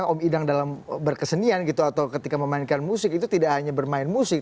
om idang dalam berkesenian gitu atau ketika memainkan musik itu tidak hanya bermain musik